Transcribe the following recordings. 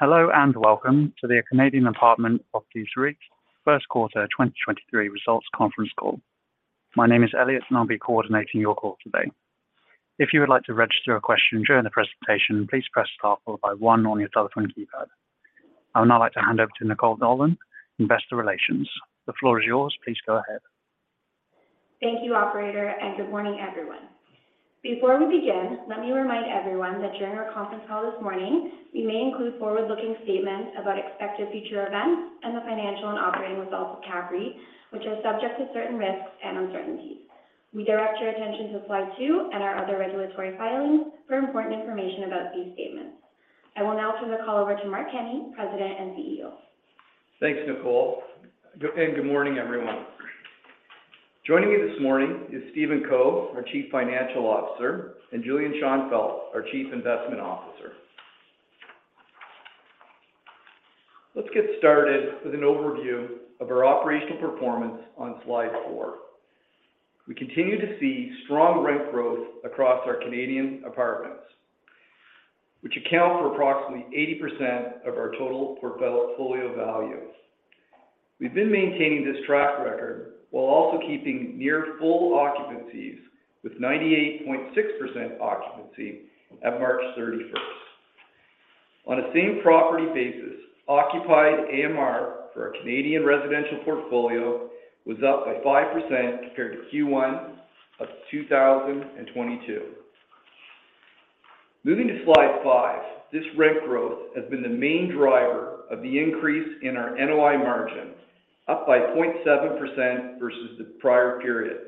Hello, welcome to the Canadian Apartment Properties REIT First Quarter 2023 Results Conference Call. My name is Elliot. I'll be coordinating your call today. If you would like to register a question during the presentation, please press star followed by one on your telephone keypad. I would now like to hand over to Nicole Dolan, Investor Relations. The floor is yours. Please go ahead. Thank you, operator. Good morning, everyone. Before we begin, let me remind everyone that during our conference call this morning, we may include forward-looking statements about expected future events and the financial and operating results of CAPREIT, which are subject to certain risks and uncertainties. We direct your attention to slide two and our other regulatory filings for important information about these statements. I will now turn the call over to Mark Kenney, President and CEO. Thanks, Nicole. Good morning, everyone. Joining me this morning is Stephen Co, our Chief Financial Officer and Julian Schonfeldt, our Chief Investment Officer. Let's get started with an overview of our operational performance on slide four. We continue to see strong rent growth across our Canadian apartments, which account for approximately 80% of our total portfolio value. We've been maintaining this track record while also keeping near full occupancies with 98.6% occupancy at March 31st. On a same property basis, occupied AMR for our Canadian residential portfolio was up by 5% compared to Q1 of 2022. Moving to slide five, this rent growth has been the main driver of the increase in our NOI margin, up by 0.7% versus the prior period.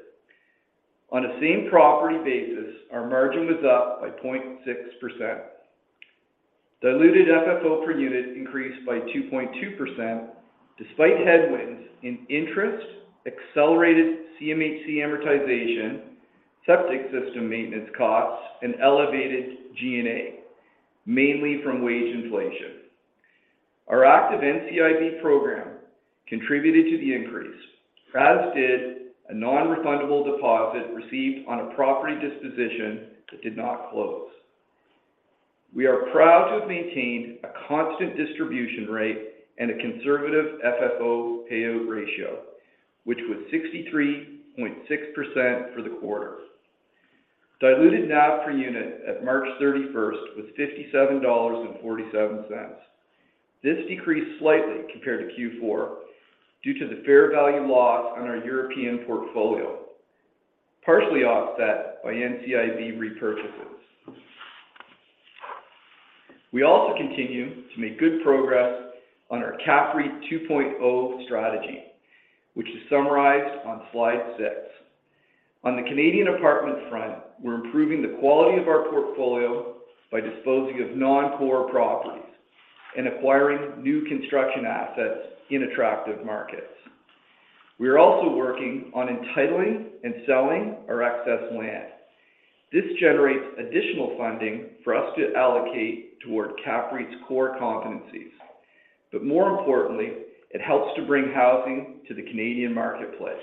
On a same property basis, our margin was up by 0.6%. Diluted FFO per unit increased by 2.2% despite headwinds in interest, accelerated CMHC amortization, septic system maintenance costs, and elevated G&A, mainly from wage inflation. Our active NCIB program contributed to the increase, as did a non-refundable deposit received on a property disposition that did not close. We are proud to have maintained a constant distribution rate and a conservative FFO payout ratio, which was 63.6% for the quarter. Diluted NAV per unit at March 31st was $57.47. This decreased slightly compared to Q4 due to the fair value loss on our European portfolio, partially offset by NCIB repurchases. We also continue to make good progress on our CAPREIT 2.0 strategy, which is summarized on slide six. On the Canadian Apartment front, we're improving the quality of our portfolio by disposing of non-core properties and acquiring new construction assets in attractive markets. We are also working on entitling and selling our excess land. This generates additional funding for us to allocate toward CAPREIT's core competencies, but more importantly, it helps to bring housing to the Canadian marketplace.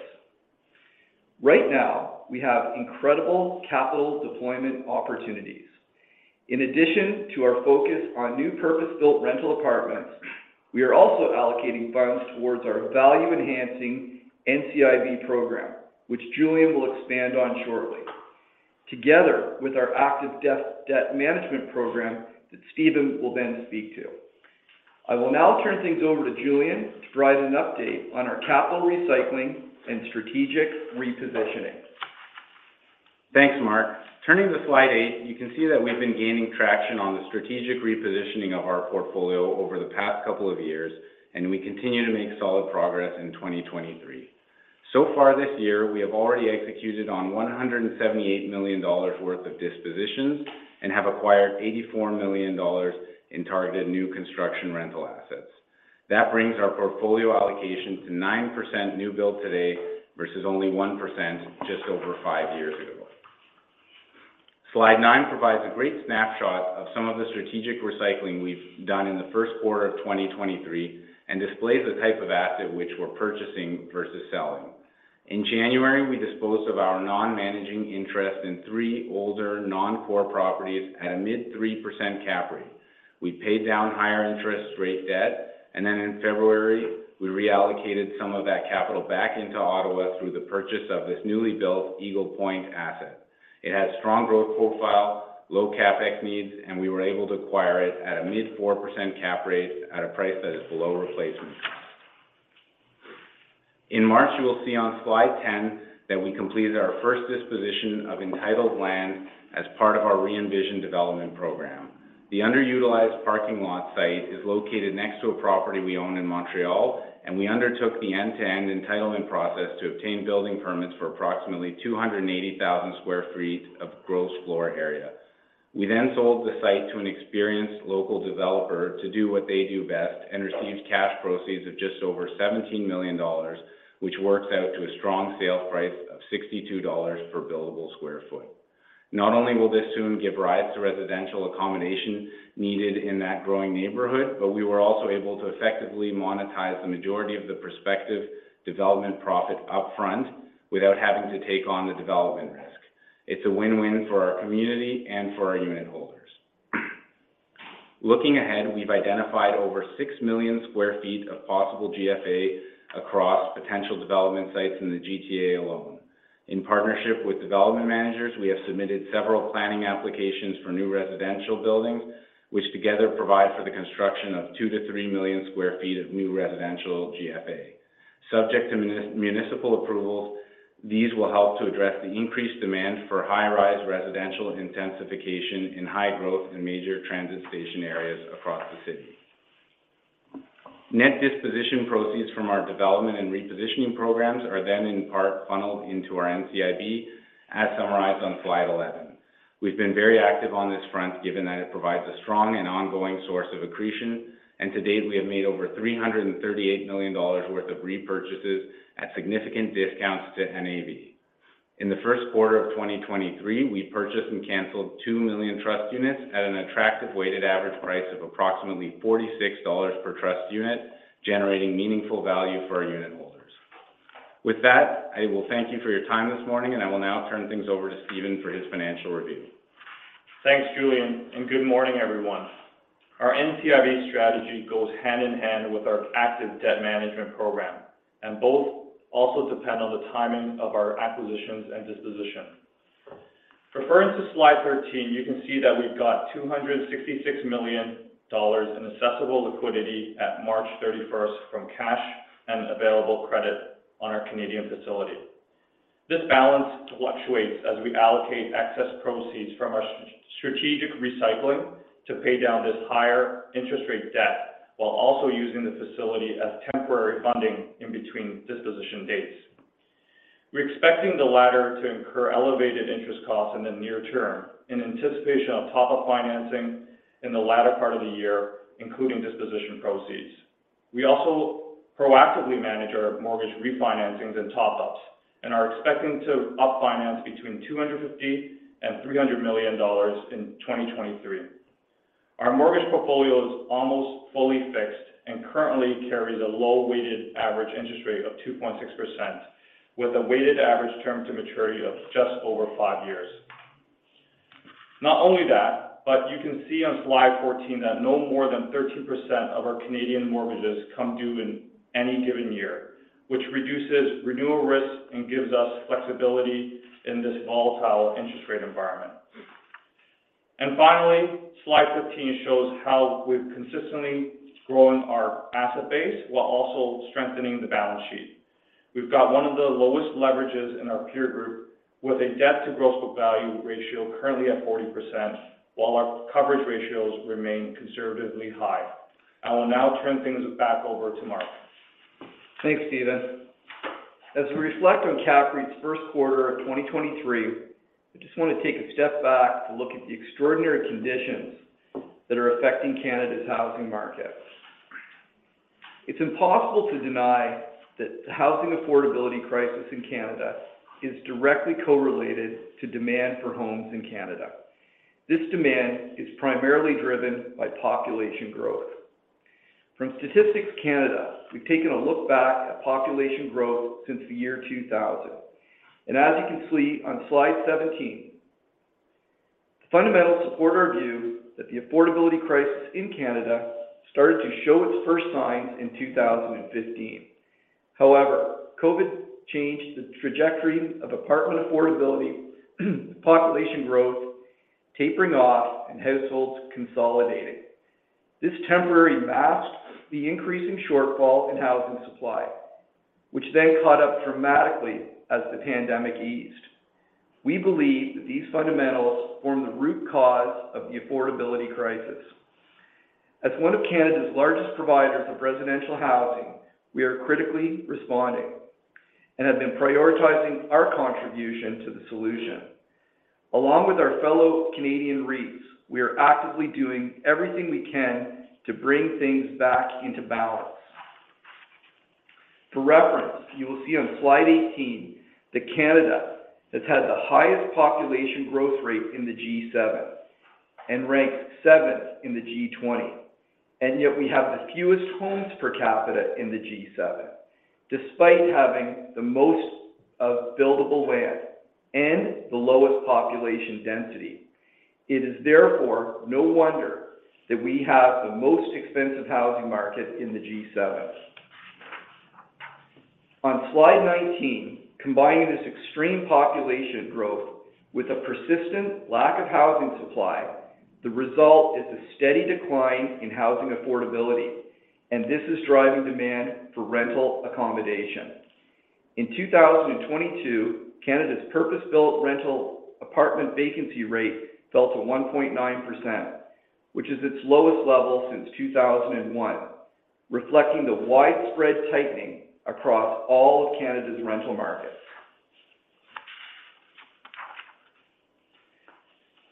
Right now, we have incredible capital deployment opportunities. In addition to our focus on new purpose-built rental apartments, we are also allocating funds towards our value-enhancing NCIB program, which Julian will expand on shortly, together with our active debt management program that Stephen will then speak to. I will now turn things over to Julian to provide an update on our capital recycling and strategic repositioning. Thanks, Mark. Turning to slide eight, you can see that we've been gaining traction on the strategic repositioning of our portfolio over the past couple of years. We continue to make solid progress in 2023. So far this year, we have already executed on 178 million dollars worth of dispositions and have acquired 84 million dollars in targeted new construction rental assets. That brings our portfolio allocation to 9% new build today versus only 1% just over five years ago. Slide nine provides a great snapshot of some of the strategic recycling we've done in the first quarter of 2023 and displays the type of asset which we're purchasing versus selling. In January, we disposed of our non-managing interest in three older non-core properties at a mid 3% cap rate. We paid down higher interest rate debt, then in February, we reallocated some of that capital back into Ottawa through the purchase of this newly built Eagle Pointe asset. It has strong growth profile, low CapEx needs, and we were able to acquire it at a mid 4% cap rate at a price that is below replacement cost. In March, you will see on slide 10 that we completed our first disposition of entitled land as part of our re-envisioned development program. The underutilized parking lot site is located next to a property we own in Montreal, and we undertook the end-to-end entitlement process to obtain building permits for approximately 280,000 sq ft of gross floor area. We sold the site to an experienced local developer to do what they do best and received cash proceeds of just over 17 million dollars, which works out to a strong sale price of 62 dollars per buildable sq ft. Not only will this soon give rise to residential accommodation needed in that growing neighborhood, but we were also able to effectively monetize the majority of the prospective development profit up front without having to take on the development risk. It's a win-win for our community and for our unit holders. Looking ahead, we've identified over 6 million sq ft of possible GFA across potential development sites in the GTA alone. In partnership with development managers, we have submitted several planning applications for new residential buildings, which together provide for the construction of 2 million-3 million sq ft of new residential GFA. Subject to municipal approvals, these will help to address the increased demand for high-rise residential intensification in high-growth and major transit station areas across the city. Net disposition proceeds from our development and repositioning programs are then in part funneled into our NCIB, as summarized on slide 11. We've been very active on this front, given that it provides a strong and ongoing source of accretion. To date, we have made over 338 million dollars worth of repurchases at significant discounts to NAV. In the first quarter of 2023, we purchased and canceled two million trust units at an attractive weighted average price of approximately 46 dollars per trust unit, generating meaningful value for our unit holders. With that, I will thank you for your time this morning, and I will now turn things over to Stephen for his financial review. Thanks, Julian. Good morning, everyone. Our NCIB strategy goes hand-in-hand with our active debt management program, and both also depend on the timing of our acquisitions and dispositions. Referring to slide 13, you can see that we've got $266 million in assessable liquidity at March 31st from cash and available credit on our Canadian facility. This balance fluctuates as we allocate excess proceeds from our strategic recycling to pay down this higher interest rate debt, while also using the facility as temporary funding in between disposition dates. We're expecting the latter to incur elevated interest costs in the near term in anticipation of top-up financing in the latter part of the year, including disposition proceeds. We also proactively manage our mortgage refinancings and top-ups and are expecting to up-finance between $250 million-$300 million in 2023. Our mortgage portfolio is almost fully fixed and currently carries a low weighted average interest rate of 2.6%, with a weighted average term to maturity of just over five years. Not only that, you can see on slide 14 that no more than 13% of our Canadian mortgages come due in any given year, which reduces renewal risk and gives us flexibility in this volatile interest rate environment. Finally, slide 15 shows how we've consistently grown our asset base while also strengthening the balance sheet. We've got one of the lowest leverages in our peer group with a debt to gross book value ratio currently at 40%, while our coverage ratios remain conservatively high. I will now turn things back over to Mark. Thanks, Stephen. As we reflect on CAPREIT's first quarter of 2023, I just wanna take a step back to look at the extraordinary conditions that are affecting Canada's housing market. It's impossible to deny that the housing affordability crisis in Canada is directly correlated to demand for homes in Canada. This demand is primarily driven by population growth. From Statistics Canada, we've taken a look back at population growth since the year 2000. As you can see on slide 17, the fundamentals support our view that the affordability crisis in Canada started to show its first signs in 2015. However, COVID changed the trajectory of apartment affordability, population growth tapering off, and households consolidating. This temporarily masked the increasing shortfall in housing supply, which then caught up dramatically as the pandemic eased. We believe that these fundamentals form the root cause of the affordability crisis. As one of Canada's largest providers of residential housing, we are critically responding and have been prioritizing our contribution to the solution. Along with our fellow Canadian REITs, we are actively doing everything we can to bring things back into balance. For reference, you will see on slide 18 that Canada has had the highest population growth rate in the G7 and ranks seventh in the G20, and yet we have the fewest homes per capita in the G7, despite having the most of buildable land and the lowest population density. It is therefore no wonder that we have the most expensive housing market in the G7. On slide 19, combining this extreme population growth with a persistent lack of housing supply, the result is a steady decline in housing affordability, this is driving demand for rental accommodation. In 2022, Canada's purpose-built rental apartment vacancy rate fell to 1.9%, which is its lowest level since 2001, reflecting the widespread tightening across all of Canada's rental markets.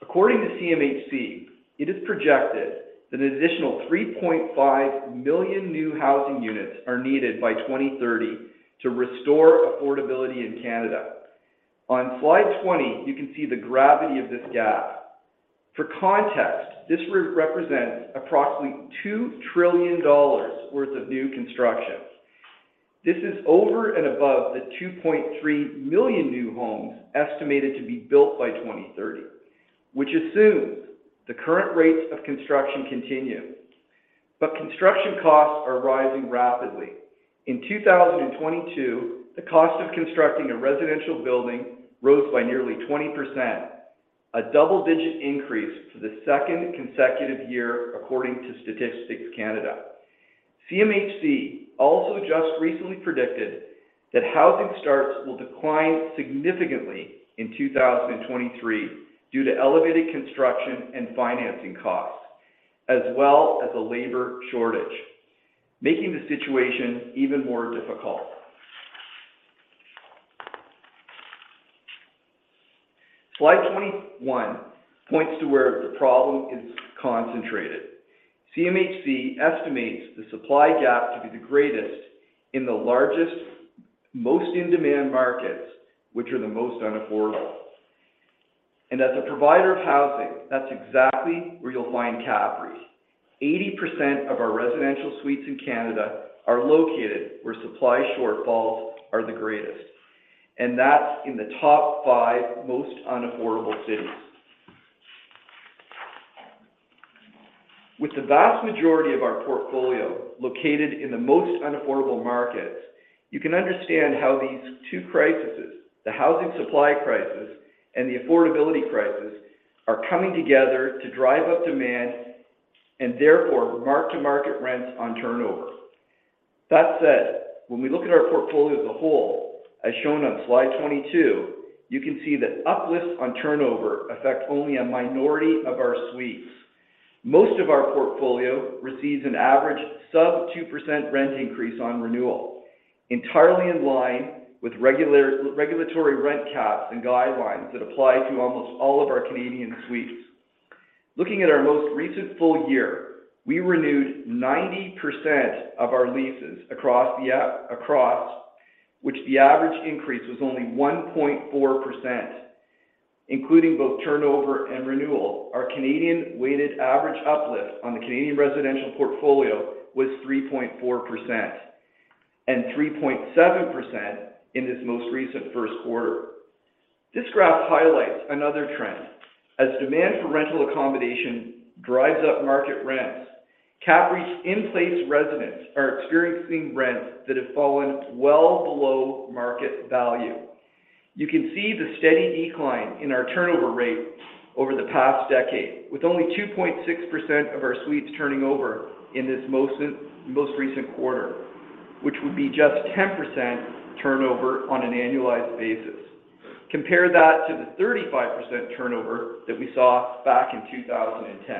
According to CMHC, it is projected that an additional 3.5 million new housing units are needed by 2030 to restore affordability in Canada. On slide 20, you can see the gravity of this gap. For context, this re-represents approximately $2 trillion worth of new construction. This is over and above the 2.3 million new homes estimated to be built by 2030, which assumes the current rates of construction continue. Construction costs are rising rapidly. In 2022, the cost of constructing a residential building rose by nearly 20%, a double-digit increase for the second consecutive year according to Statistics Canada. CMHC also just recently predicted that housing starts will decline significantly in 2023 due to elevated construction and financing costs, as well as a labor shortage, making the situation even more difficult. Slide 21 points to where the problem is concentrated. CMHC estimates the supply gap to be the greatest in the largest, most in-demand markets, which are the most unaffordable. As a provider of housing, that's exactly where you'll find CAPREIT. 80% of our residential suites in Canada are located where supply shortfalls are the greatest, and that's in the top five most unaffordable cities. With the vast majority of our portfolio located in the most unaffordable markets, you can understand how these two crises, the housing supply crisis and the affordability crisis, are coming together to drive up demand and therefore mark-to-market rents on turnover. That said, when we look at our portfolio as a whole, as shown on slide 22, you can see that uplifts on turnover affect only a minority of our suites. Most of our portfolio receives an average sub 2% rent increase on renewal, entirely in line with regular, regulatory rent caps and guidelines that apply to almost all of our Canadian suites. Looking at our most recent full year, we renewed 90% of our leases across which the average increase was only 1.4%. Including both turnover and renewal, our Canadian weighted average uplift on the Canadian residential portfolio was 3.4% and 3.7% in this most recent first quarter. This graph highlights another trend. As demand for rental accommodation drives up market rents, CAPREIT's in-place residents are experiencing rents that have fallen well below market value. You can see the steady decline in our turnover rate over the past decade, with only 2.6% of our suites turning over in this most recent quarter, which would be just 10% turnover on an annualized basis. Compare that to the 35% turnover that we saw back in 2010.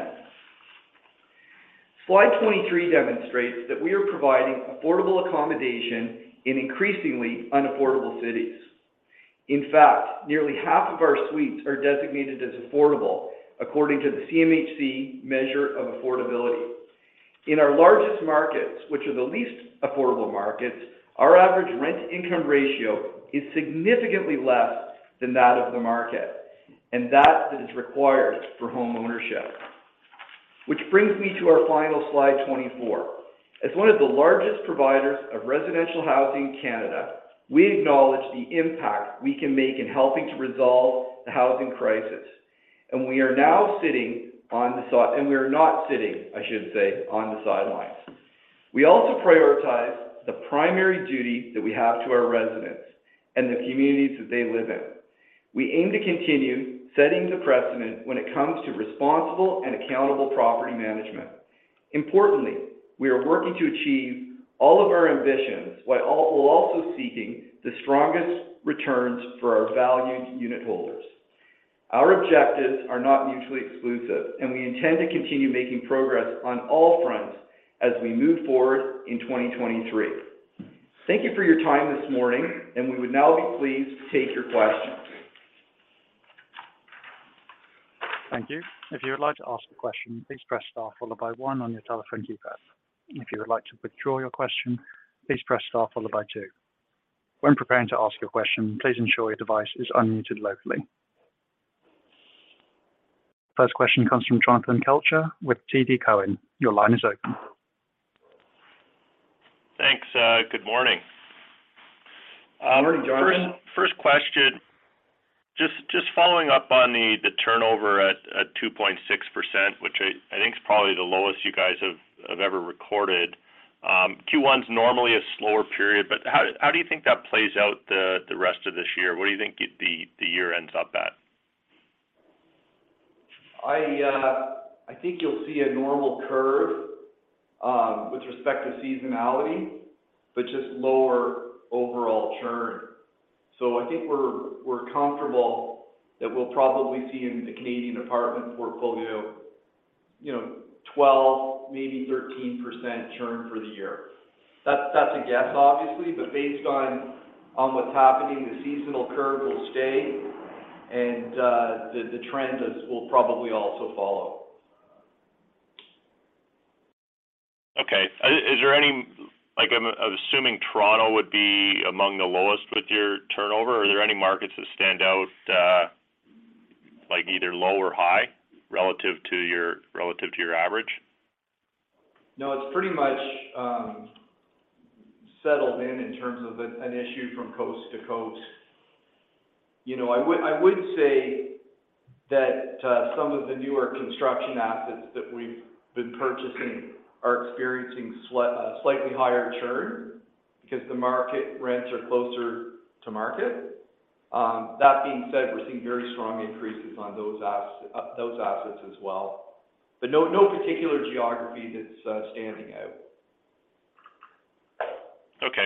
Slide 23 demonstrates that we are providing affordable accommodation in increasingly unaffordable cities. In fact, nearly half of our suites are designated as affordable according to the CMHC measure of affordability. In our largest markets, which are the least affordable markets, our average rent-to-income ratio is significantly less than that of the market, and that is required for home ownership. Which brings me to our final slide, 24. As one of the largest providers of residential housing in Canada, we acknowledge the impact we can make in helping to resolve the housing crisis, and we are not sitting, I should say, on the sidelines. We also prioritize the primary duty that we have to our residents and the communities that they live in. We aim to continue setting the precedent when it comes to responsible and accountable property management. Importantly, we are working to achieve all of our ambitions while also seeking the strongest returns for our valued unitholders. Our objectives are not mutually exclusive, and we intend to continue making progress on all fronts as we move forward in 2023. Thank you for your time this morning, and we would now be pleased to take your questions. Thank you. If you would like to ask a question, please press star followed by one on your telephone keypad. If you would like to withdraw your question, please press star followed by two. When preparing to ask your question, please ensure your device is unmuted locally. First question comes from Jonathan Kelcher with TD Cowen. Your line is open. Thanks. Good morning. Morning, Jonathan. First question. Just following up on the turnover at 2.6%, which I think is probably the lowest you guys have ever recorded. Q1's normally a slower period. How do you think that plays out the rest of this year? What do you think the year ends up at? I think you'll see a normal curve, with respect to seasonality, but just lower overall churn. I think we're comfortable that we'll probably see in the Canadian Apartment portfolio, you know, 12, maybe 13% churn for the year. That's a guess, obviously, but based on what's happening, the seasonal curve will stay and the trend is, will probably also follow. Okay. Is there any Like I'm assuming Toronto would be among the lowest with your turnover. Are there any markets that stand out, Low or high relative to your, relative to your average? No, it's pretty much settled in terms of an issue from coast to coast. You know, I would say that some of the newer construction assets that we've been purchasing are experiencing a slightly higher churn because the market rents are closer to market. That being said, we're seeing very strong increases on those assets as well. No, no particular geography that's standing out. Okay.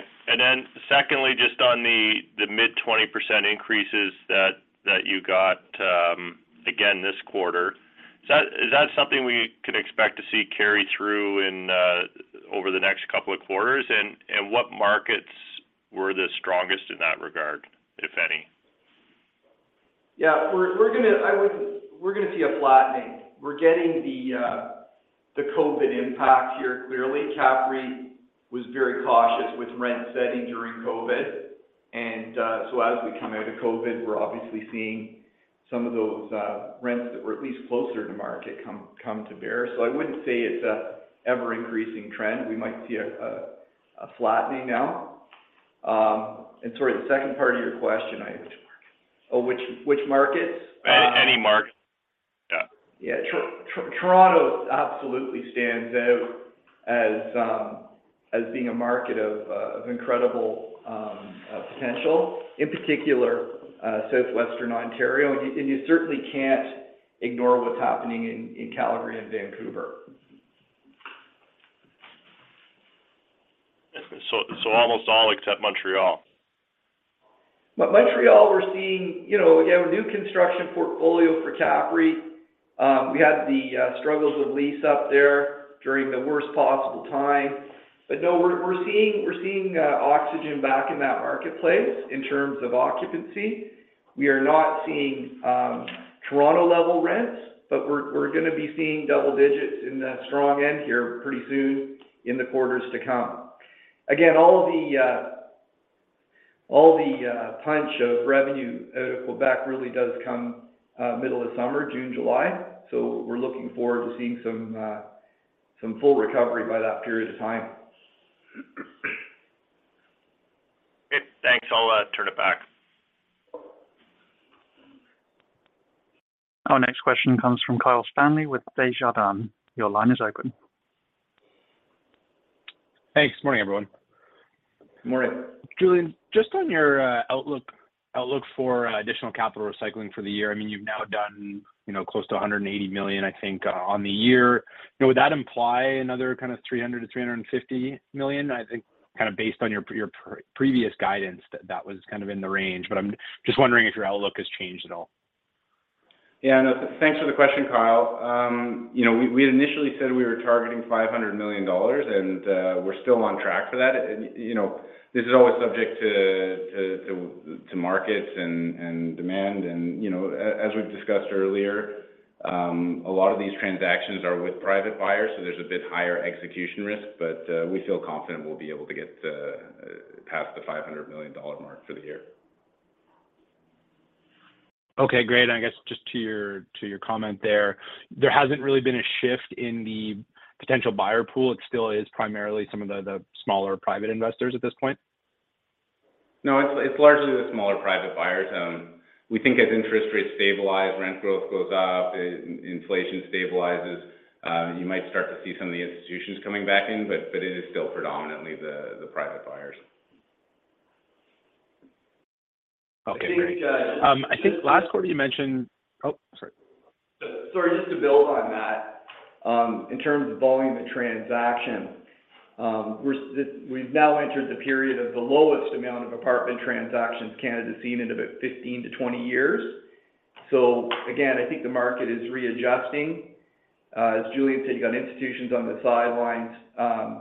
Secondly, just on the mid-20% increases that you got, again this quarter. Is that something we could expect to see carry through in over the next couple of quarters? What markets were the strongest in that regard, if any? Yeah. We're gonna see a flattening. We're getting the COVID impact here clearly. CAPREIT was very cautious with rent setting during COVID, as we come out of COVID, we're obviously seeing some of those rents that were at least closer to market come to bear. I wouldn't say it's a ever-increasing trend. We might see a flattening now. Sorry, the second part of your question, I. Which markets? Oh, which markets? Any market. Yeah. Yeah. Toronto absolutely stands out as being a market of incredible potential. In particular, Southwestern Ontario. You certainly can't ignore what's happening in Calgary and Vancouver. Almost all except Montreal. Montreal, we're seeing, you know, again, a new construction portfolio for CAPREIT. We had the struggles with lease up there during the worst possible time. No, we're seeing oxygen back in that marketplace in terms of occupancy. We are not seeing Toronto-level rents, but we're gonna be seeing double digits in the strong end here pretty soon in the quarters to come. All the punch of revenue out of Quebec really does come middle of summer, June, July. We're looking forward to seeing some full recovery by that period of time. Okay. Thanks. I'll turn it back. Our next question comes from Kyle Stanley with Desjardins. Your line is open. Thanks. Morning, everyone. Morning. Julian, just on your outlook for additional capital recycling for the year, I mean, you've now done, you know, close to 180 million, I think, on the year. You know, would that imply another kind of 300 million-350 million? I think kinda based on your previous guidance that that was kind of in the range. I'm just wondering if your outlook has changed at all. Yeah, no, thanks for the question, Kyle. You know, we had initially said we were targeting $500 million, we're still on track for that. You know, this is always subject to markets and demand. You know, as we've discussed earlier, a lot of these transactions are with private buyers, there's a bit higher execution risk. We feel confident we'll be able to get past the $500 million mark for the year. Okay, great. I guess just to your comment there hasn't really been a shift in the potential buyer pool. It still is primarily some of the smaller private investors at this point? No, it's largely the smaller private buyers. We think as interest rates stabilize, rent growth goes up, inflation stabilizes, you might start to see some of the institutions coming back in, but it is still predominantly the private buyers. Okay, great. I think. I think last quarter you mentioned. Oh, sorry. Sorry, just to build on that, in terms of volume of transactions, we've now entered the period of the lowest amount of apartment transactions Canada's seen in about 15-20 years. Again, I think the market is readjusting. As Julian said, you got institutions on the sidelines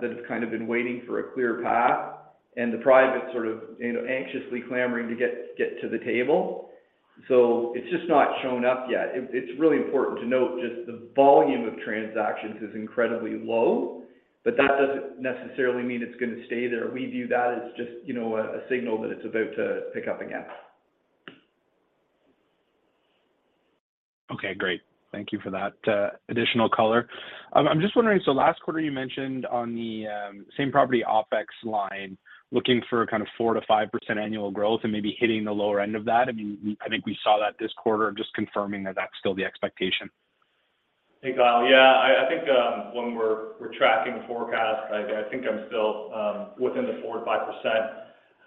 that have kind of been waiting for a clear path, and the private sort of, you know, anxiously clamoring to get to the table. It's just not shown up yet. It's really important to note just the volume of transactions is incredibly low, but that doesn't necessarily mean it's gonna stay there. We view that as just, you know, a signal that it's about to pick up again. Okay, great. Thank you for that additional color. I'm just wondering, last quarter you mentioned on the same property OpEx line, looking for kind of 4%-5% annual growth and maybe hitting the lower end of that. I mean, we, I think we saw that this quarter. Just confirming that that's still the expectation? Hey, Kyle. Yeah. I think when we're tracking the forecast, I think I'm still within the 4%-5%.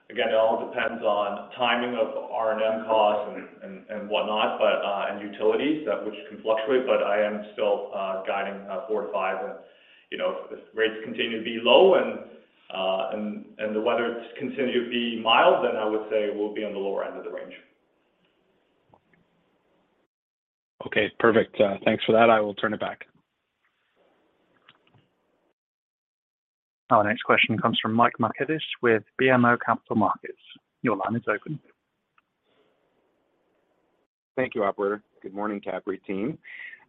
Again, it all depends on timing of R&M costs and whatnot, but and utilities, that which can fluctuate, but I am still guiding 4%-5%. You know, if the rates continue to be low and the weather continue to be mild, then I would say we'll be on the lower end of the range. Okay, perfect. Thanks for that. I will turn it back. Our next question comes from Michael Markidis with BMO Capital Markets. Your line is open. Thank you, operator. Good morning, CAPREIT team.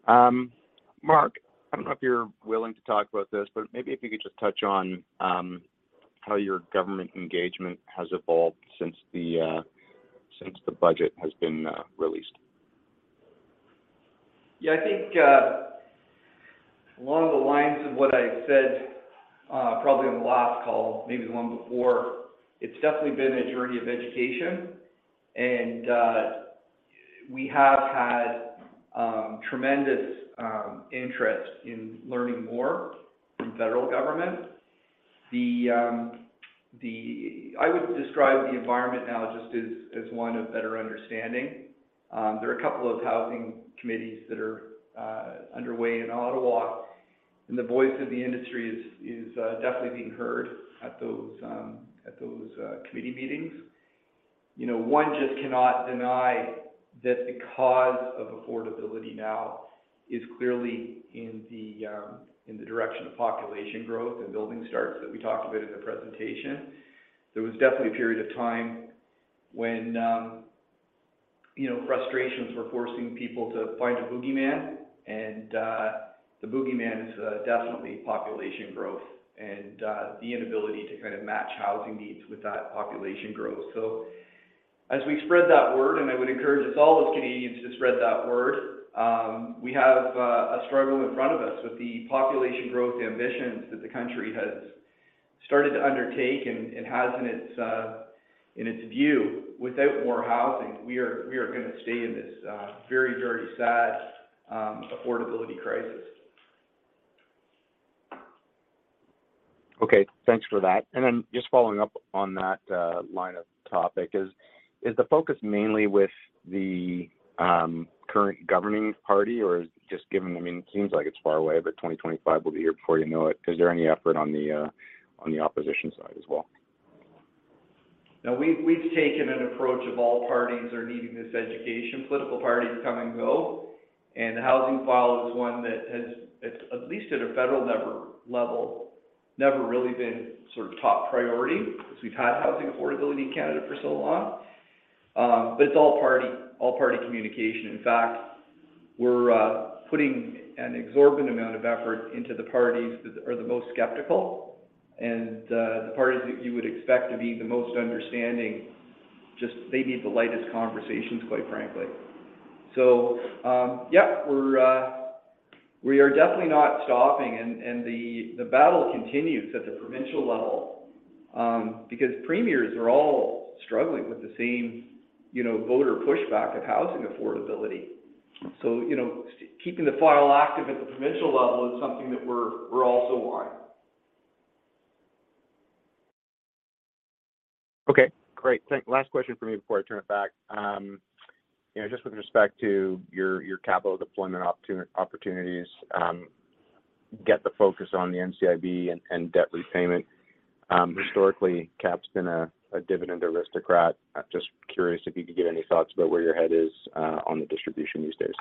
Mark, I don't know if you're willing to talk about this, but maybe if you could just touch on how your government engagement has evolved since the budget has been released. Yeah. I think, along the lines of what I said, probably on the last call, maybe the one before, it's definitely been a journey of education. We have had tremendous interest in learning more from Federal Government. I would describe the environment now just as one of better understanding. There are a couple of housing committees that are underway in Ottawa. The voice of the industry is definitely being heard at those committee meetings. You know, one just cannot deny that the cause of affordability now is clearly in the direction of population growth and building starts that we talked about in the presentation. There was definitely a period of time when, you know, frustrations were forcing people to find a boogeyman and the boogeyman is definitely population growth and the inability to kind of match housing needs with that population growth. As we spread that word, and I would encourage us all as Canadians to spread that word, we have a struggle in front of us with the population growth ambitions that the country has started to undertake and has in its, in its view. Without more housing, we are gonna stay in this, very, very sad, affordability crisis. Okay. Thanks for that. Then just following up on that line of topic. Is the focus mainly with the current governing party, or just given, I mean, it seems like it's far away, but 2025 will be here before you know it? Is there any effort on the opposition side as well? No. We've taken an approach of all parties are needing this education. Political parties come and go, and the housing file is one that has, at least at a federal level, never really been sort of top priority because we've had housing affordability in Canada for so long. It's all party, all party communication. In fact, we're putting an exorbitant amount of effort into the parties that are the most skeptical, and the parties that you would expect to be the most understanding just they need the lightest conversations, quite frankly. Yeah. We are definitely not stopping and the battle continues at the provincial level, because premiers are all struggling with the same, you know, voter pushback of housing affordability. You know, keeping the file active at the provincial level is something that we're also on. Okay. Great. Last question from me before I turn it back. you know, just with respect to your capital deployment opportunities, get the focus on the NCIB and debt repayment. historically, CAP's been a dividend aristocrat. I'm just curious if you could give any thoughts about where your head is on the distribution these days.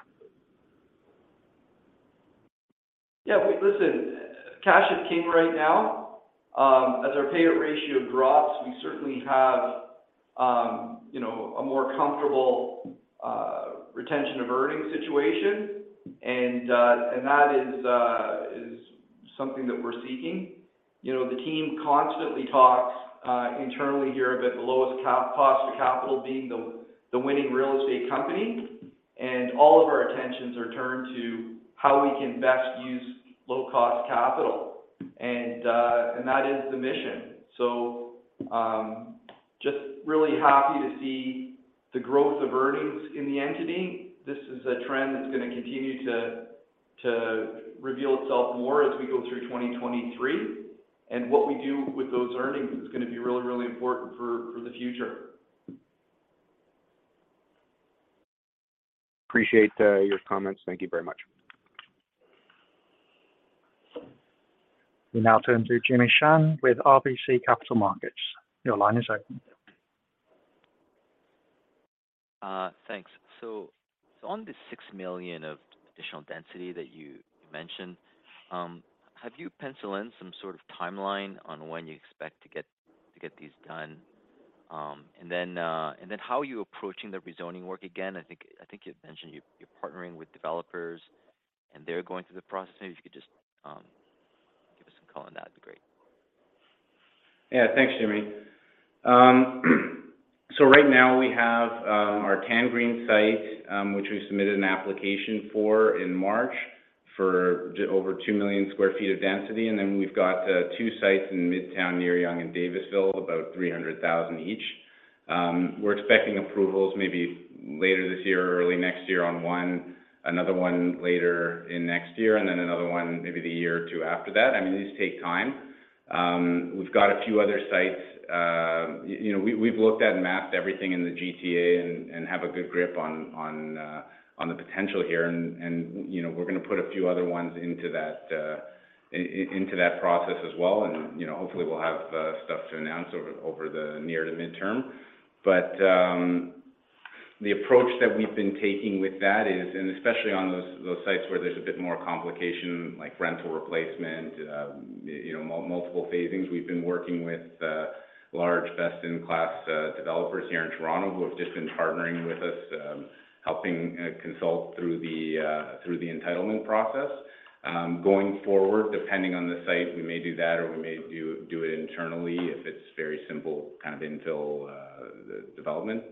Listen, cash is king right now. As our payout ratio drops, we certainly have, you know, a more comfortable retention of earnings situation and that is something that we're seeking. You know, the team constantly talks internally here about the lowest cost of capital being the winning real estate company, all of our attentions are turned to how we can best use low cost capital and that is the mission. just really happy to see the growth of earnings in the entity. This is a trend that's gonna continue to reveal itself more as we go through 2023. What we do with those earnings is gonna be really, really important for the future. Appreciate, your comments. Thank you very much. We now turn to Jimmy Shan with RBC Capital Markets. Your line is open. Thanks. On the six million of additional density that you mentioned, have you penciled in some sort of timeline on when you expect to get these done? How are you approaching the rezoning work? Again, I think you'd mentioned you're partnering with developers and they're going through the process. Maybe if you could just give us a call on that, it'd be great. Yeah. Thanks, Jimmy. Right now we have our Tangreen site, which we submitted an application for in March for over 2 million sq ft of density. We've got two sites in Midtown near Yonge and Davisville, about 300,000 each. We're expecting approvals maybe later this year or early next year on one, another one later in next year, and another one maybe the year or two after that. I mean, these take time. We've got a few other sites. You know, we've looked at and mapped everything in the GTA and have a good grip on the potential here and, you know, we're gonna put a few other ones into that process as well and, you know, hopefully we'll have stuff to announce over the near to midterm. The approach that we've been taking with that is, and especially on those sites where there's a bit more complication, like rental replacement, you know, multiple phasings. We've been working with large best-in-class developers here in Toronto who have just been partnering with us, helping consult through the entitlement process. Going forward, depending on the site, we may do that or we may do it internally if it's very simple, kind of infill development.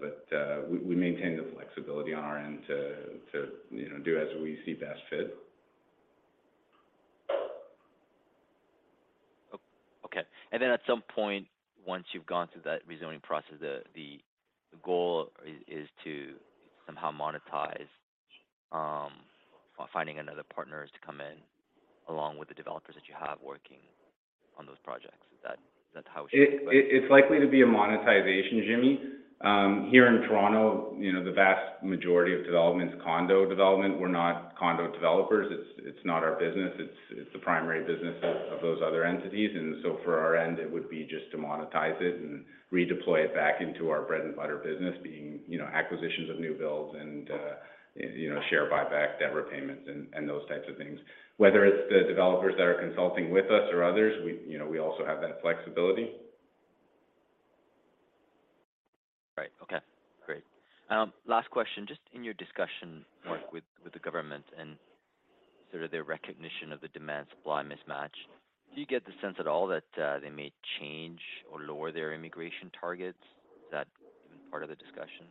We maintain the flexibility on our end to, you know, do as we see best fit. Okay. At some point, once you've gone through that rezoning process, the goal is to somehow monetize, finding another partner to come in along with the developers that you have working on those projects. Is that, is that how it should work? It's likely to be a monetization, Jimmy. Here in Toronto, you know, the vast majority of development is condo development. We're not condo developers. It's not our business. It's the primary business of those other entities. For our end, it would be just to monetize it and redeploy it back into our bread-and-butter business being, you know, acquisitions of new builds and you know, share buyback, debt repayments, and those types of things. Whether it's the developers that are consulting with us or others, we, you know, we also have that flexibility. Right. Okay, great. Last question. Just in your discussion, Mark, with the government and sort of their recognition of the demand-supply mismatch, do you get the sense at all that they may change or lower their immigration targets? Is that even part of the discussion?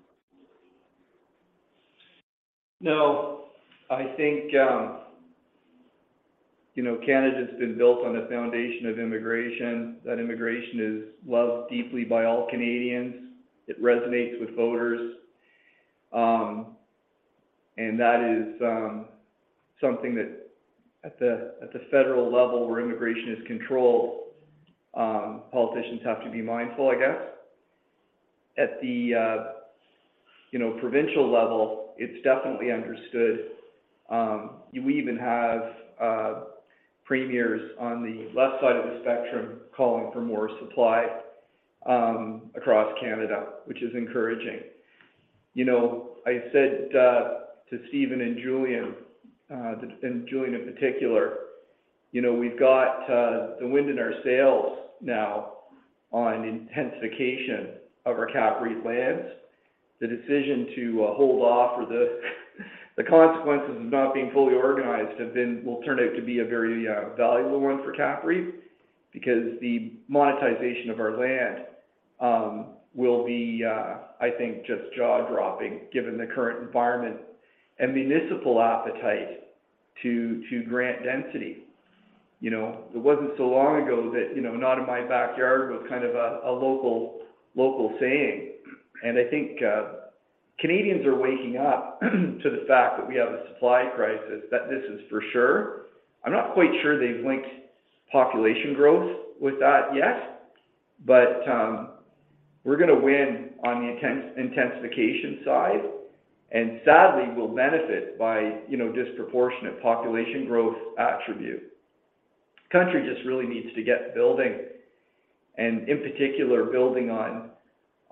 No. I think, you know, Canada's been built on a foundation of immigration. That immigration is loved deeply by all Canadians. It resonates with voters. That is something that at the federal level where immigration is controlled, politicians have to be mindful, I guess. At the, you know, provincial level, it's definitely understood. We even have premiers on the left side of the spectrum calling for more supply across Canada, which is encouraging. You know, I said to Stephen and Julian, and Julian in particular, you know, we've got the wind in our sails now on intensification of our CAPREIT lands. The decision to hold off or the consequences of not being fully organized will turn out to be a very valuable one for CAPREIT because the monetization of our land will be, I think, just jaw-dropping given the current environment and municipal appetite to grant density. You know, it wasn't so long ago that, you know, not in my backyard was kind of a local saying. I think, Canadians are waking up to the fact that we have a supply crisis, that this is for sure. I'm not quite sure they've linked population growth with that yet, but, we're gonna win on the intensification side, and sadly, we'll benefit by, you know, disproportionate population growth attribute. Country just really needs to get building, and in particular, building on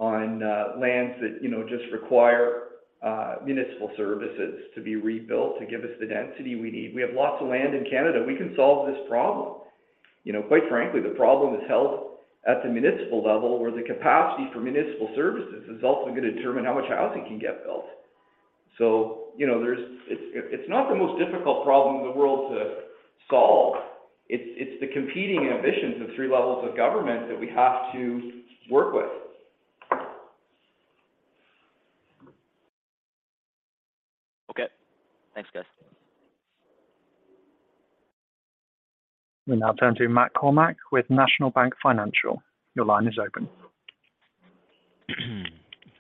lands that, you know, just require municipal services to be rebuilt to give us the density we need. We have lots of land in Canada. We can solve this problem. You know, quite frankly, the problem is held at the municipal level, where the capacity for municipal services is also gonna determine how much housing can get built. You know, it's not the most difficult problem in the world to solve. It's, it's the competing ambitions of three levels of government that we have to work with. Okay. Thanks, guys. We now turn to Matt Kornack with National Bank Financial. Your line is open.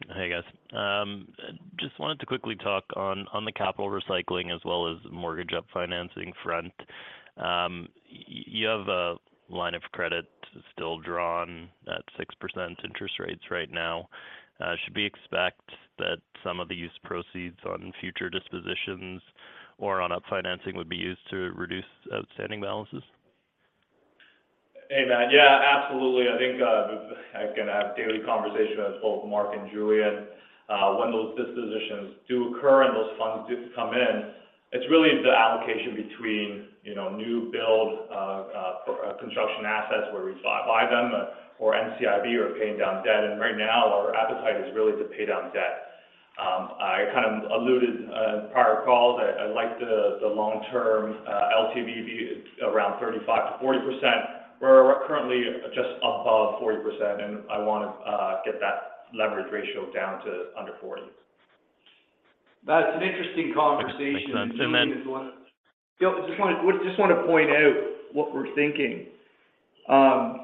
Hey, guys. just wanted to quickly talk on the capital recycling as well as mortgage up financing front. you have a line of credit still drawn at 6% interest rates right now. should we expect that some of the use proceeds on future dispositions or on up financing would be used to reduce outstanding balances? Hey, Matt. Yeah, absolutely. I think, again, I have daily conversation with both Mark and Julian. When those dispositions do occur and those funds do come in, it's really the allocation between, you know, new build, construction assets where we buy them, or NCIB or paying down debt. Right now, our appetite is really to pay down debt. I kind of alluded on prior calls. I like the long-term LTV be around 35%-40%. We're currently just above 40%, and I wanna get that leverage ratio down to under 40%. That's an interesting conversation. Thanks for that. Julian is gonna. Yeah. I just wanna point out what we're thinking. The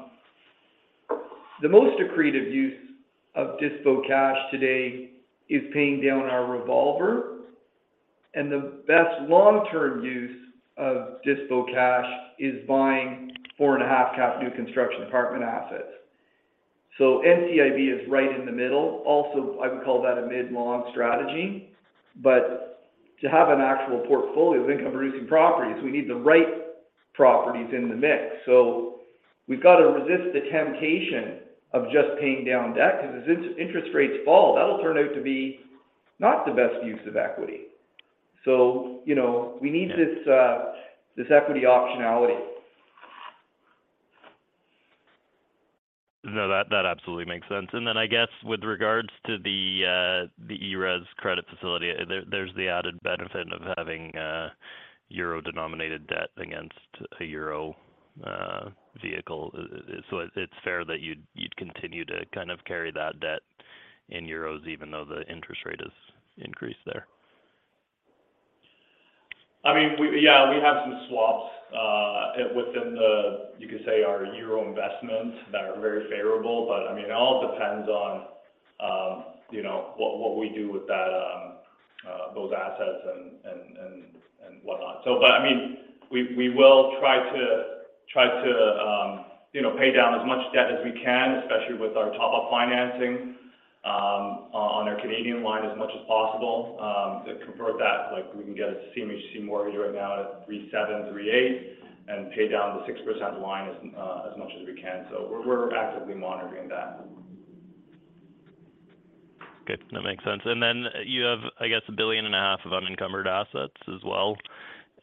most accretive use of dispo cash today is paying down our revolver, and the best long-term use of dispo cash is buying four and a half cap new construction apartment assets. NCIB is right in the middle. Also, I would call that a mid-long strategy. To have an actual portfolio of income-producing properties, we need the right properties in the mix. We've got to resist the temptation of just paying down debt because as interest rates fall, that'll turn out to be not the best use of equity. You know, we need this equity optionality. No, that absolutely makes sense. I guess with regards to the ERES credit facility, there's the added benefit of having a euro-denominated debt against a euro vehicle. It's fair that you'd continue to kind of carry that debt in euros, even though the interest rate is increased there. I mean, yeah, we have some swaps within the, you could say, our euro investments that are very favorable. I mean, it all depends on, you know, what we do with that, those assets and whatnot. I mean, we will try to, you know, pay down as much debt as we can, especially with our top-up financing on our Canadian line as much as possible to convert that. Like, we can get a CMHC mortgage right now at 3.7%, 3.8% and pay down the 6% line as much as we can. We're actively monitoring that. Good. That makes sense. You have, I guess, a billion and a half of unencumbered assets as well.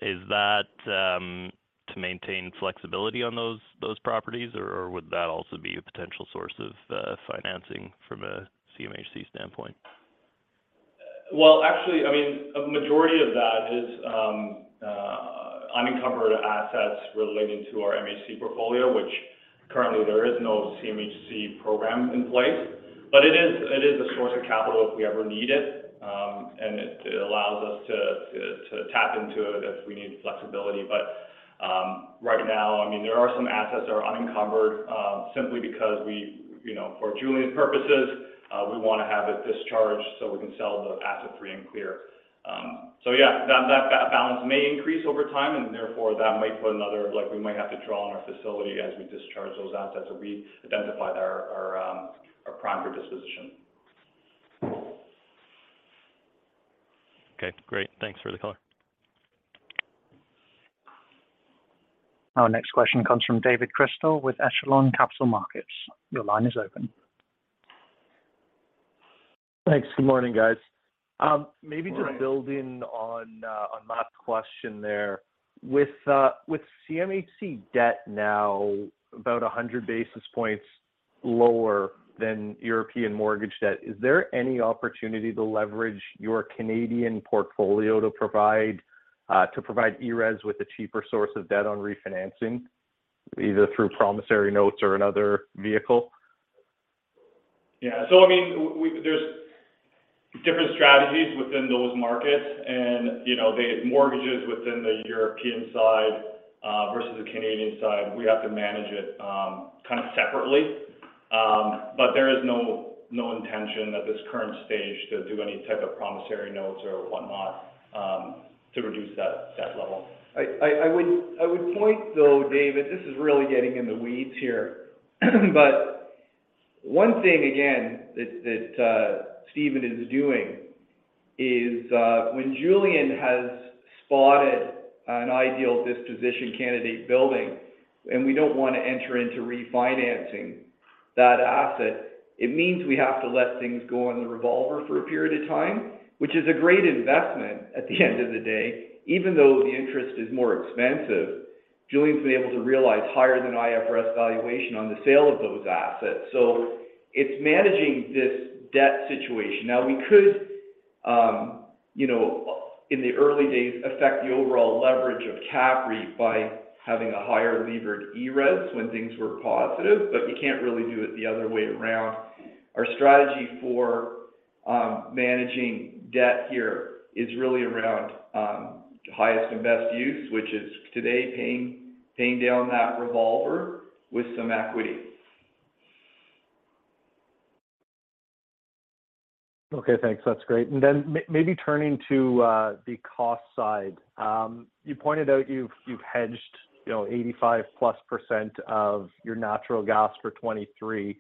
Is that to maintain flexibility on those properties, or would that also be a potential source of financing from a CMHC standpoint? Well, actually, I mean, a majority of that is unencumbered assets relating to our MHC portfolio, which currently there is no CMHC program in place. It is a source of capital if we ever need it, and it allows us to tap into it if we need flexibility. Right now, I mean, there are some assets that are unencumbered simply because we, you know, for Julian's purposes, we want to have it discharged so we can sell the asset free and clear. Yeah, that balance may increase over time, and therefore that might put like we might have to draw on our facility as we discharge those assets as we identify our prime for disposition. Okay, great. Thanks for the color. Our next question comes from David Chrystal with Echelon Capital Markets. Your line is open. Thanks. Good morning, guys. Maybe just building on on Matt's question there, with CMHC debt now about 100 basis points lower than European mortgage debt, is there any opportunity to leverage your Canadian portfolio to provide ERES with a cheaper source of debt on refinancing, either through promissory notes or another vehicle? I mean, we there's different strategies within those markets and, you know, the mortgages within the European side versus the Canadian side, we have to manage it kind of separately. There is no intention at this current stage to do any type of promissory notes or whatnot to reduce that level. I would point though, David, this is really getting in the weeds here, one thing again that Stephen is doing is when Julian has spotted an ideal disposition candidate building and we don't want to enter into refinancing that asset, it means we have to let things go on the revolver for a period of time, which is a great investment at the end of the day, even though the interest is more expensive. Julian's been able to realize higher than IFRS valuation on the sale of those assets. It's managing this debt situation. Now, we could, you know, in the early days affect the overall leverage of CAPREIT by having a higher levered ERES when things were positive, but you can't really do it the other way around. Our strategy for managing debt here is really around highest and best use, which is today paying down that revolver with some equity. Okay, thanks. That's great. Maybe turning to the cost side. You pointed out you've hedged, you know, 85%+ of your natural gas for 2023.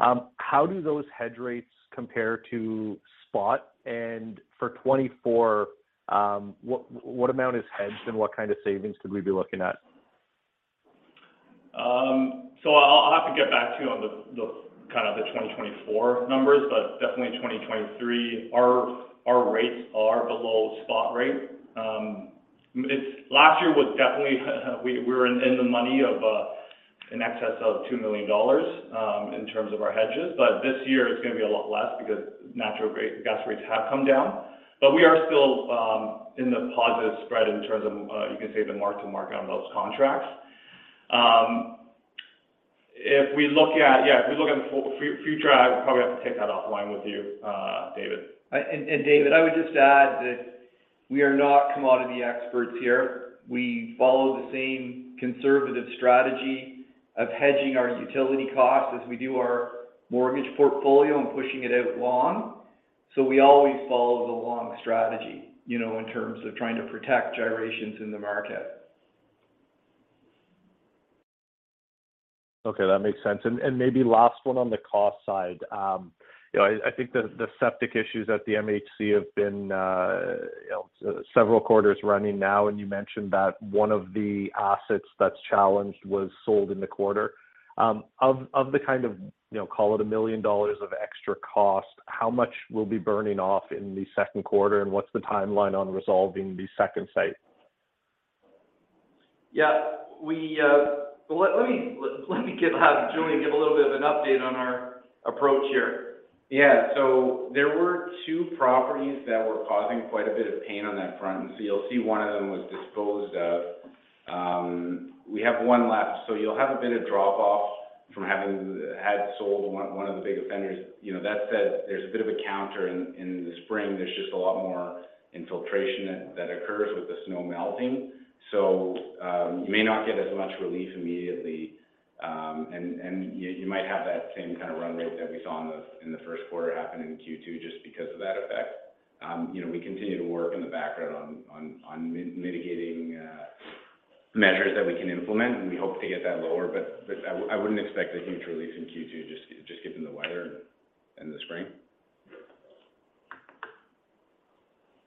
How do those hedge rates compare to spot? For 2024, what amount is hedged and what kind of savings could we be looking at? I'll have to get back to you on the kind of the 2024 numbers, but definitely in 2023 our rates are below spot rate. Last year was definitely, we were in the money of, in excess of 2 million dollars, in terms of our hedges. This year it's going to be a lot less because natural gas rates have come down. We are still, in the positive spread in terms of, you could say the mark-to-market on those contracts. If we look at the future, I would probably have to take that offline with you, David. David, I would just add that we are not commodity experts here. We follow the same conservative strategy of hedging our utility costs as we do our mortgage portfolio and pushing it out long. We always follow the long strategy, you know, in terms of trying to protect gyrations in the market. Okay, that makes sense. Maybe last one on the cost side. you know, I think the septic issues at the MHC have been, you know, several quarters running now, you mentioned that one of the assets that's challenged was sold in the quarter. of the kind of, you know, call it 1 million dollars of extra cost, how much will be burning off in the second quarter, and what's the timeline on resolving the second site? Yeah. Well let me have Julian give a little bit of an update on our approach here. Yeah. There were two properties that were causing quite a bit of pain on that front. You'll see one of them was disposed of. We have one left. You'll have a bit of drop off from having had sold one of the big offenders. You know, that said, there's a bit of a counter in the spring. There's just a lot more infiltration that occurs with the snow melting. You may not get as much relief immediately. And you might have that same kind of run rate that we saw in the first quarter happen in Q2 just because of that effect. You know, we continue to work in the background on mitigating measures that we can implement, and we hope to get that lower. I wouldn't expect a huge relief in Q2 just given the weather and the spring.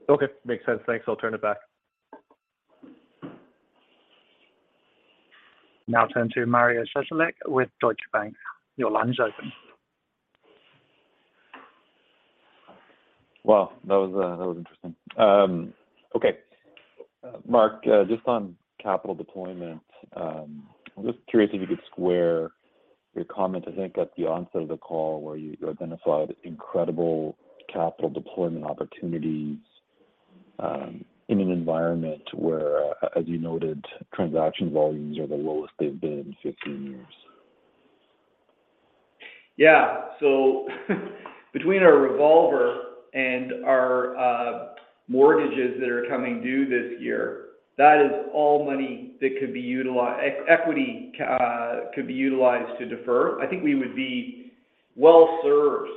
Okay. Makes sense. Thanks. I'll turn it back. Now turn to Mario Saric with Deutsche Bank. Your line's open. Wow, that was, that was interesting. Okay. Mark, just on capital deployment, I'm just curious if you could square your comment, I think, at the onset of the call where you identified incredible capital deployment opportunities, in an environment where, as you noted, transaction volumes are the lowest they've been in 15 years. Yeah. Between our revolver and our mortgages that are coming due this year, that is all money that could be utilized to defer. I think we would be well-served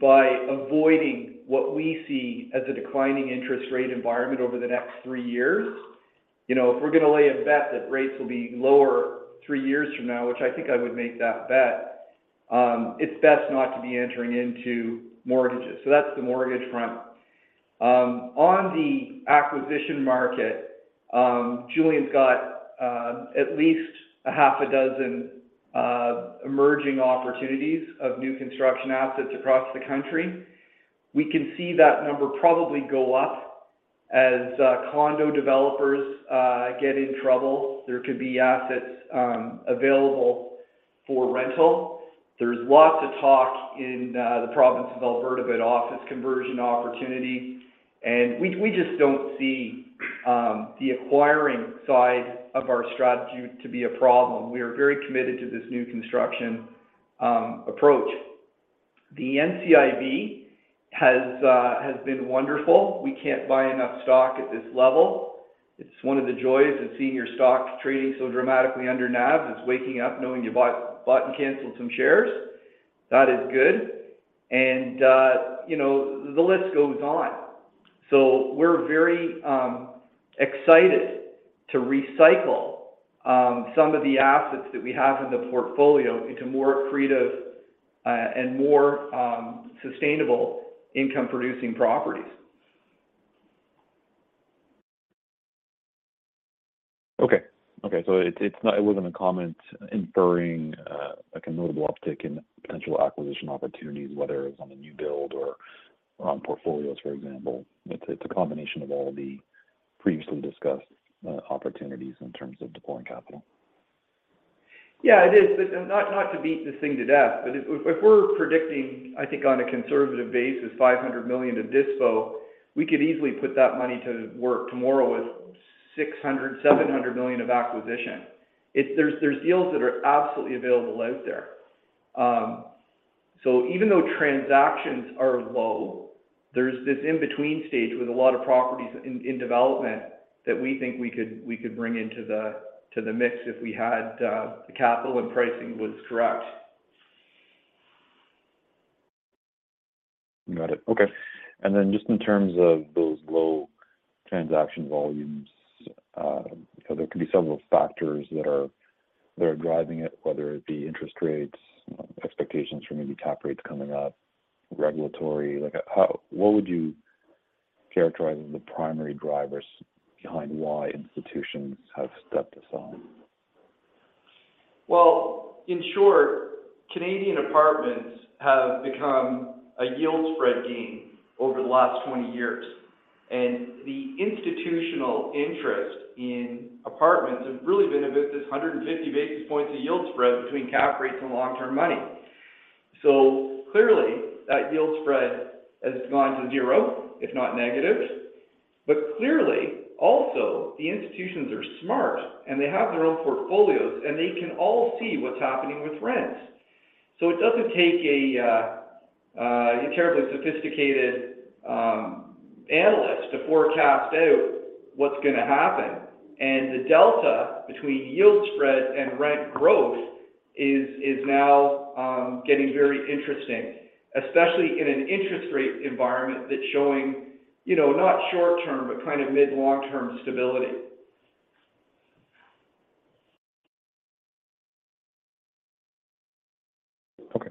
by avoiding what we see as a declining interest rate environment over the next three years. You know, if we're going to lay a bet that rates will be lower three years from now, which I think I would make that bet, it's best not to be entering into mortgages. That's the mortgage front. On the acquisition market, Julian's got at least a half a dozen emerging opportunities of new construction assets across the country. We can see that number probably go up as condo developers get in trouble. There could be assets available for rental. There's lots of talk in the province of Alberta about office conversion opportunity. We just don't see the acquiring side of our strategy to be a problem. We are very committed to this new construction approach. The NCIB has been wonderful. We can't buy enough stock at this level. It's one of the joys of seeing your stock trading so dramatically under NAV, is waking up knowing you bought and canceled some shares. That is good. You know, the list goes on. We're very excited to recycle some of the assets that we have in the portfolio into more accretive and more sustainable income-producing properties. Okay. Okay. It wasn't a comment inferring, like a notable uptick in potential acquisition opportunities, whether it's on a new build or on portfolios, for example. It's a combination of all the previously discussed, opportunities in terms of deploying capital. Yeah, it is. Not to beat this thing to death, but if we're predicting, I think on a conservative basis, 500 million to dispo, we could easily put that money to work tomorrow with 600 million-700 million of acquisition. There's deals that are absolutely available out there. Even though transactions are low, there's this in-between stage with a lot of properties in development that we think we could bring to the mix if we had the capital and pricing was correct. Got it. Okay. Just in terms of those low transaction volumes, you know, there could be several factors that are, that are driving it, whether it be interest rates, expectations for maybe cap rates coming up, regulatory. What would you characterize as the primary drivers behind why institutions have stepped aside? Well, in short, Canadian apartments have become a yield spread game over the last 20 years. The institutional interest in apartments have really been about this 150 basis points of yield spread between cap rates and long-term money. Clearly, that yield spread has gone to zero, if not negative. Clearly, also the institutions are smart, and they have their own portfolios, and they can all see what's happening with rents. It doesn't take a terribly sophisticated analyst to forecast out what's going to happen. The delta between yield spread and rent growth is now getting very interesting, especially in an interest rate environment that's showing. You know, not short-term, but kind of mid long-term stability Okay.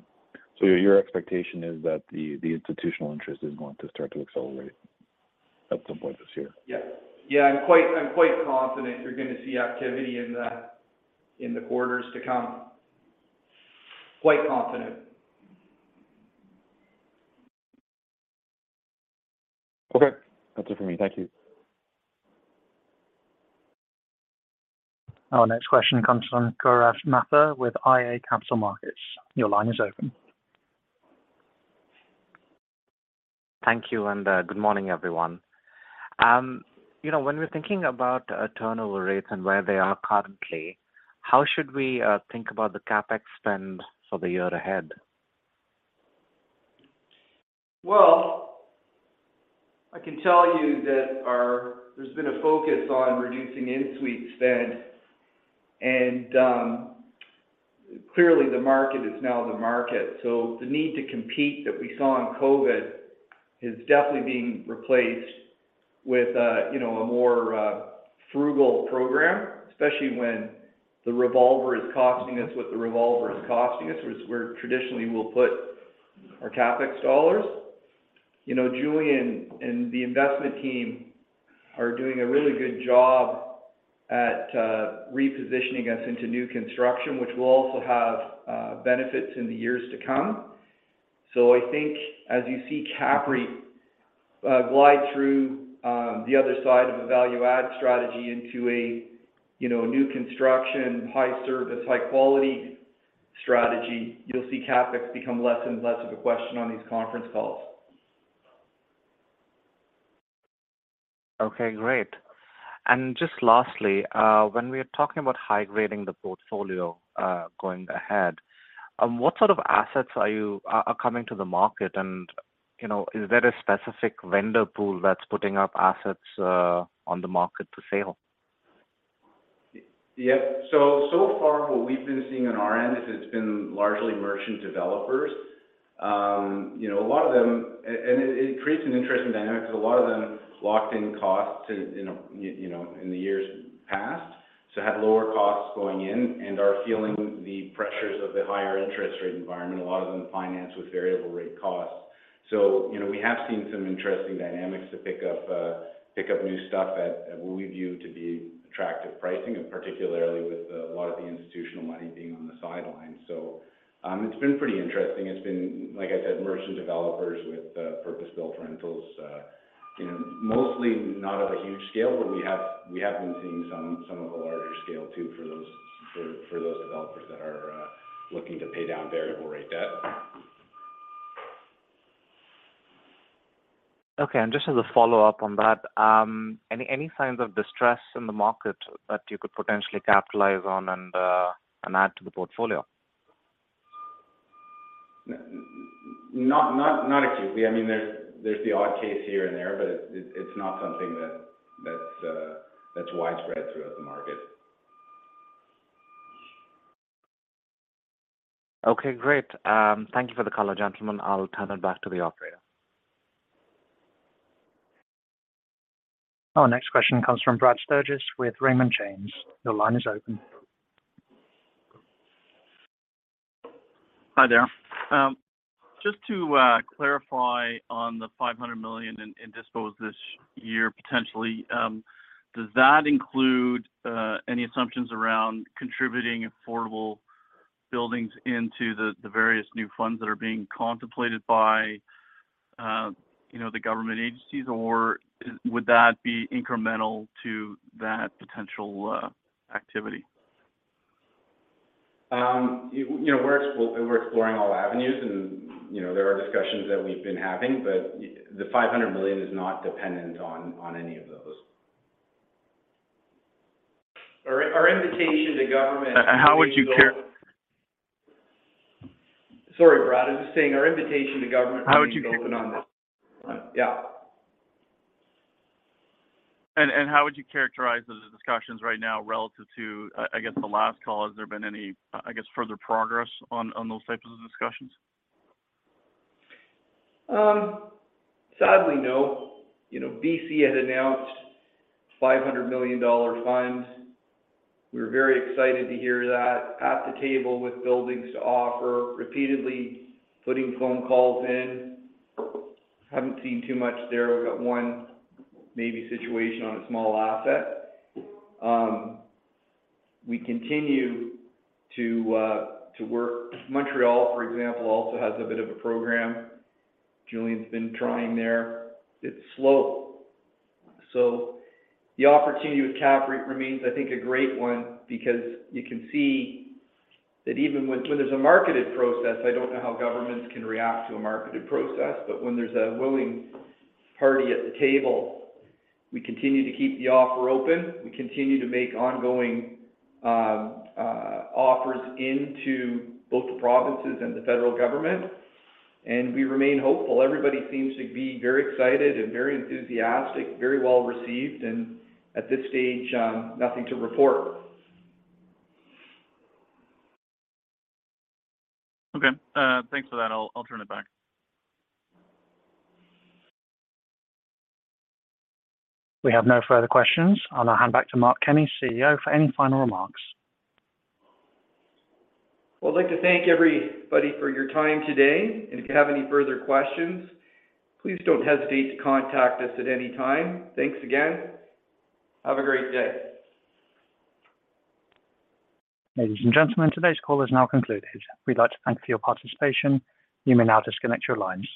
Your expectation is that the institutional interest is going to start to accelerate at some point this year? Yeah. Yeah, I'm quite confident you're gonna see activity in the quarters to come. Quite confident. Okay. That's it for me. Thank you. Our next question comes from Kourosh Mahvash with iA Capital Markets. Your line is open. Thank you, good morning, everyone. you know, when we're thinking about turnover rates and where they are currently, how should we think about the CapEx spend for the year ahead? Well, I can tell you that there's been a focus on reducing in-suite spend, and, clearly the market is now the market. The need to compete that we saw in COVID is definitely being replaced with, you know, a more, frugal program, especially when the revolver is costing us what the revolver is costing us, which where traditionally we'll put our CapEx dollars. You know, Julian and the investment team are doing a really good job at, repositioning us into new construction, which will also have, benefits in the years to come. I think as you see CAPREIT, glide through, the other side of a value add strategy into a, you know, new construction, high service, high quality strategy, you'll see CapEx become less and less of a question on these conference calls. Okay, great. Just lastly, when we are talking about high grading the portfolio, going ahead, what sort of assets are coming to the market? You know, is there a specific vendor pool that's putting up assets on the market for sale? Yes. So far what we've been seeing on our end is it's been largely merchant developers. you know, a lot of them and it creates an interesting dynamic because a lot of them locked in costs in, you know, in the years past, so had lower costs going in and are feeling the pressures of the higher interest rate environment. A lot of them finance with variable rate costs. you know, we have seen some interesting dynamics to pick up pick up new stuff at what we view to be attractive pricing, and particularly with a lot of the institutional money being on the sidelines. it's been pretty interesting. It's been, like I said, merchant developers with, purpose-built rentals, you know, mostly not of a huge scale, but we have been seeing some of the larger scale too for those developers that are looking to pay down variable rate debt. Okay. Just as a follow-up on that, any signs of distress in the market that you could potentially capitalize on and add to the portfolio? Not acutely. I mean, there's the odd case here and there, but it's not something that's widespread throughout the market. Okay, great. Thank you for the call, gentlemen. I'll turn it back to the operator. Our next question comes from Brad Sturges with Raymond James. Your line is open. Hi there. Just to clarify on the 500 million in disposed this year potentially, does that include any assumptions around contributing affordable buildings into the various new funds that are being contemplated by, you know, the government agencies? Or would that be incremental to that potential activity? You know, we're exploring all avenues and, you know, there are discussions that we've been having. The 500 million is not dependent on any of those. Our invitation to government- How would you char- Sorry, Brad. I'm just saying our invitation to government remains open on this. How would you char- Yeah. How would you characterize those discussions right now relative to, I guess, the last call? Has there been any, I guess, further progress on those types of discussions? Sadly, no. You know, BC had announced 500 million dollar fund. We were very excited to hear that at the table with buildings to offer, repeatedly putting phone calls in. Haven't seen too much there. We got one maybe situation on a small asset. We continue to work. Montreal, for example, also has a bit of a program. Julian's been trying there. It's slow. The opportunity with CAPREIT remains, I think, a great one because you can see that even when there's a marketed process, I don't know how governments can react to a marketed process, but when there's a willing party at the table, we continue to keep the offer open. We continue to make ongoing offers into both the provinces and the federal government, we remain hopeful. Everybody seems to be very excited and very enthusiastic, very well-received, and at this stage, nothing to report. Okay. thanks for that. I'll turn it back. We have no further questions. I'll now hand back to Mark Kenney, CEO, for any final remarks. Well, I'd like to thank everybody for your time today. If you have any further questions, please don't hesitate to contact us at any time. Thanks again. Have a great day. Ladies and gentlemen, today's call is now concluded. We'd like to thank you for your participation. You may now disconnect your lines.